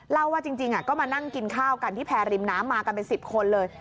เล่าว่าจริงก็มานั่งกินข้าวกันที่แพรริมน้ำมากันเป็น๑๐คนเลย